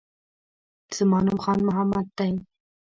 زما نوم خان محمد دی